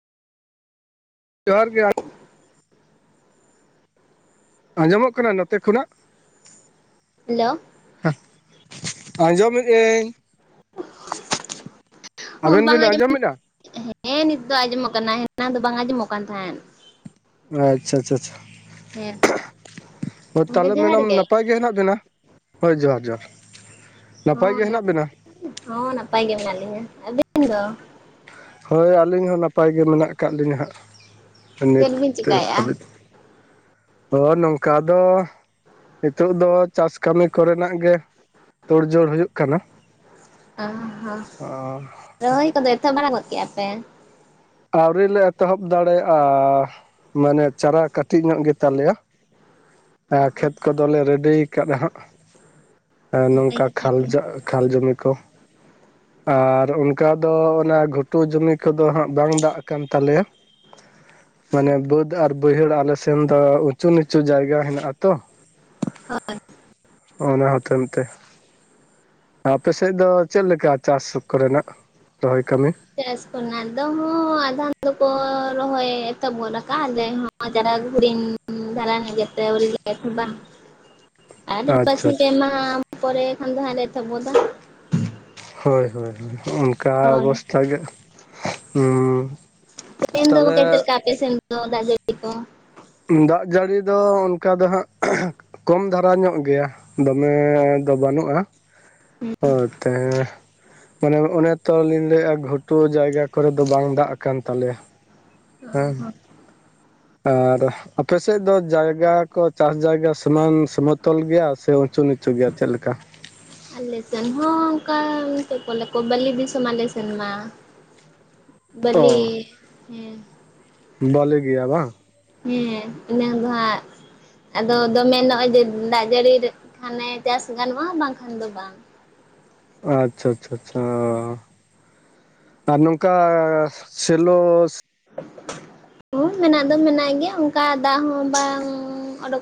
ᱡᱚᱦᱟᱨ ᱜᱮ᱾ ᱟᱸᱡᱚᱢᱚᱜ ᱠᱟᱱᱟ ᱱᱚᱛᱮ ᱠᱷᱚᱱᱟᱜ? ᱦᱮᱞᱳ᱾ ᱦᱮᱸ ᱟᱸᱡᱚᱢᱮᱜ-ᱟᱹᱧ᱾ ᱦᱚᱸ ᱟᱵᱮᱱ ᱵᱟᱝ ᱵᱮᱱ ᱟᱸᱡᱚᱢ, ᱟᱸᱡᱚᱢᱮᱫᱟ ᱦᱮᱸ ᱱᱤᱛ ᱫᱚ ᱟᱸᱡᱚᱢᱚᱜ ᱠᱟᱱᱟ ᱦᱮᱱᱟᱝ ᱫᱚ ᱵᱟᱝ ᱟᱸᱡᱚᱢᱚᱜ ᱠᱟᱱ ᱛᱟᱦᱮᱸᱱ᱾ ᱟᱪᱪᱷᱟ ᱪᱷᱟ ᱪᱷᱟ, ᱦᱮᱸ ᱦᱚᱸ ᱜᱚᱢᱠᱮ ᱛᱟᱦᱞᱮ ᱡᱚᱦᱟᱨ ᱢᱮᱰᱟᱢ ᱱᱟᱯᱟᱭ ᱜᱮ ᱦᱮᱱᱟᱜ ᱵᱤᱱᱟ? ᱦᱳᱭ ᱡᱚᱸᱦᱟᱨ ᱡᱚᱸᱦᱟᱨ᱾ ᱦᱚᱸ ᱱᱟᱯ, ᱦᱚᱸ ᱱᱟᱯᱟᱭ ᱜᱮ ᱢᱮᱱᱟᱜ ᱞᱤᱧᱟᱹ᱾ ᱟᱹᱵᱤᱱ ᱫᱚ? ᱦᱳᱭ ᱟᱹᱞᱤᱧ ᱦᱚᱸ ᱱᱟᱯᱟᱭ ᱜᱮ ᱢᱮᱱᱟᱜ ᱟᱠᱟᱫ ᱞᱤᱧᱟᱹ ᱦᱟᱸᱜ, ᱪᱮᱫ ᱱᱤᱛ ᱵᱤᱱ ᱛᱮ ᱪᱤᱠᱟᱭᱮᱜᱼᱟ ᱦᱟᱹᱵᱤᱡ᱾ ᱦᱚᱸ ᱱᱚᱝᱠᱟ ᱫᱚ ᱱᱤᱛᱳᱜ ᱫᱚ ᱪᱟᱥ ᱠᱟᱹᱢᱤ ᱠᱚᱨᱮᱱᱟᱜ ᱜᱮ ᱛᱳᱲ ᱡᱳᱲ ᱦᱩᱭᱩᱜ ᱠᱟᱱᱟ᱾ ᱚ ᱦᱚᱸ, ᱨᱚᱦᱚᱭ ᱠᱚᱫᱚ ᱮᱛᱚᱦᱚᱵ ᱵᱟᱱᱟ ᱜᱚᱫ ᱠᱮᱜ-ᱟ ᱯᱮ? ᱟᱹᱣᱨᱤᱞ ᱞᱮ ᱮᱛᱚᱦᱚᱵ ᱫᱟᱲᱮᱭᱟᱜᱼᱟ, ᱢᱟᱱᱮ ᱪᱟᱨᱟ ᱠᱟᱹᱴᱤᱡ ᱧᱚᱜ ᱜᱮ ᱛᱟᱞᱮᱭᱟ᱾ ᱚ ᱮᱸ ᱦᱚᱸ ᱠᱷᱮᱛ ᱠᱚᱫᱚᱞᱮ ᱨᱮᱰᱤ ᱟᱠᱟᱫᱟ ᱦᱟᱸᱜ, ᱮᱸ ᱱᱟᱯᱟᱭ ᱱᱚᱝᱠᱟ ᱠᱟᱛᱷᱟ ᱜᱮ ᱠᱷᱟᱞᱡᱟᱜ ᱠᱷᱟᱞ ᱡᱚᱢᱤ ᱠᱚ, ᱟᱨ ᱚᱱᱠᱟ ᱫᱚ ᱚᱱᱟ ᱜᱷᱩᱴ ᱴᱩ ᱡᱚᱢᱤ ᱠᱚᱫᱚ ᱦᱟᱸᱜ ᱵᱟᱝ ᱫᱟᱜ ᱟᱠᱟᱱ ᱛᱟᱞᱮᱭᱟ᱾ ᱢᱟᱱᱮ ᱵᱟᱹᱫᱽ ᱟᱨ ᱵᱟᱹᱭᱦᱟᱹᱲ ᱟᱞᱮ ᱥᱮᱱ ᱫᱚ ᱩᱪᱩ ᱱᱤᱪᱩ ᱡᱟᱭᱜᱟ ᱦᱮᱱᱟᱜ-ᱟ ᱛᱚ᱾ ᱦᱳᱭ᱾ ᱚᱱᱟ ᱦᱚᱛᱮᱱ ᱛᱮ᱾ ᱟᱯᱮ ᱥᱮᱫ ᱫᱚ ᱪᱮᱫ ᱞᱮᱠᱟ ᱪᱟᱥ ᱠᱚᱨᱮᱱᱟᱜ, ᱨᱚᱦᱚᱭ ᱠᱟᱹᱢᱤ? ᱪᱟᱥ ᱠᱚᱨᱮᱱᱟᱜ ᱫᱚ ᱦᱚᱸ ᱟᱫᱷᱚᱱ ᱫᱚᱠᱚ ᱨᱚᱦᱚᱭ ᱮᱛᱚᱦᱚᱵ ᱜᱚᱫ ᱠᱟᱜ-ᱟ ᱟᱞᱮ ᱦᱚᱸ [unintelligible] ᱟᱫᱚ ᱟᱪᱪᱷᱟ ᱵᱟᱨᱥᱤᱧ ᱟᱪᱪᱷᱟ ᱯᱮ ᱢᱟᱦᱟ ᱯᱚᱨᱮ ᱠᱷᱟᱱ ᱫᱚ ᱦᱟᱸᱜ ᱞᱮ ᱮᱛᱚᱦᱚᱵ ᱜᱚᱫᱟ᱾ ᱦᱳᱭ ᱦᱳᱭ ᱦᱳᱭ, ᱦᱚᱸᱜᱼᱚᱱ ᱠᱟ ᱦᱳᱭ ᱚᱵᱚᱥᱛᱷᱟ ᱜᱮ ᱩᱸ, ᱛᱮᱦᱮᱧ ᱫᱚ ᱛᱟᱞᱦᱮ ᱜᱚᱢᱠᱮ ᱪᱮᱫ ᱞᱮᱠᱟ ᱟᱯᱮ ᱥᱮᱱ ᱫᱚ ᱫᱟᱜ ᱡᱟᱹᱲᱤ ᱠᱚ? ᱩᱸ ᱫᱟᱜ ᱡᱟᱹᱲᱤ ᱫᱚ ᱚᱱᱠᱟ ᱫᱚ ᱦᱟᱸᱜ ᱠᱚᱢ ᱫᱷᱟᱨᱟ ᱧᱚᱜ ᱜᱮᱭᱟ, ᱫᱚᱢᱮ ᱫᱚ ᱵᱟᱹᱱᱩᱜᱼᱟ᱾ ᱦᱮᱸ ᱚ ᱛᱮ ᱢᱟᱱᱮ ᱚᱱᱮ ᱛᱚ ᱞᱤᱧ ᱞᱟᱹᱭᱮᱼᱟ ᱜᱷᱩᱴᱩ ᱡᱟᱭᱜᱟ ᱠᱚᱨᱮᱫ ᱫᱚ ᱵᱟᱝ ᱫᱟᱜ ᱟᱠᱟᱱ ᱛᱟᱞᱮᱭᱟ᱾ ᱚ ᱦᱮᱸ᱾ ᱦᱚᱸ ᱟᱨ ᱟᱯᱮ ᱥᱮᱫ ᱫᱚ ᱡᱟᱭᱜᱟ ᱠᱚ ᱪᱟᱥ ᱡᱟᱭᱜᱟ ᱥᱚᱢᱟᱱ ᱥᱚᱢᱚᱛᱚᱞ ᱜᱮᱭᱟ ᱥᱮ ᱩᱪᱩ ᱱᱤᱪᱩ ᱜᱮᱭᱟ ᱪᱮᱫ ᱞᱮᱠᱟ? ᱟᱞᱮ ᱥᱮᱱ ᱦᱚᱸ ᱚᱱᱠᱟ ᱪᱮᱫ ᱠᱚ ᱞᱟᱹᱭᱟᱠᱚ ᱵᱟᱹᱞᱤ ᱫᱤᱥᱚᱢ ᱟᱞᱮ ᱥᱮᱱ ᱢᱟ᱾ ᱵᱟᱞᱤ ᱦᱮᱸ᱾ ᱵᱟᱞᱤ ᱜᱮᱭᱟ ᱵᱟᱝ? ᱦᱮᱸ ᱤᱱᱟᱹ ᱫᱚ ᱦᱟᱸᱜ ᱟᱫᱚ ᱫᱚᱢᱮ ᱱᱚᱜᱼᱚᱭ ᱡᱮ ᱫᱟᱜ ᱡᱟᱹᱲᱤ [unintelligible] ᱠᱷᱟᱱᱮ ᱪᱟᱥ ᱜᱟᱱᱚᱜᱼᱟ ᱵᱟᱝᱠᱷᱟᱱ ᱫᱚ ᱵᱟᱝ᱾ ᱟᱪᱪᱷᱟ ᱪᱷᱟ ᱪᱷᱟ, ᱦᱮᱸ ᱚ᱾ ᱟᱨ ᱱᱚᱝᱠᱟ ᱥᱮᱞᱳ ᱦᱚᱸ ᱢᱮᱱᱟᱜ ᱫᱚ ᱢᱮᱱᱟᱜ ᱜᱮᱭᱟ ᱚᱱᱠᱟ ᱫᱟᱜ ᱦᱚᱸ ᱵᱟᱝ ᱚᱰᱳᱠ